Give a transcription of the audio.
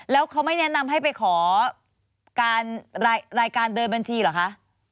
แล้วเขาไม่แนะนำให้ไปขอการรายการเดินบัญชีเหรอคะ